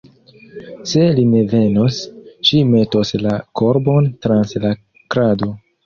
Se li ne venos, ŝi metos la korbon trans la krado.